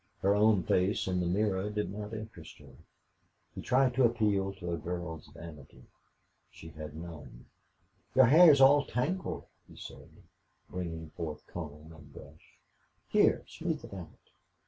Her own face in the mirror did not interest her. He tried to appeal to a girl's vanity. She had none. "Your hair is all tangled," he said, bringing forth comb and brush. "Here, smooth it out."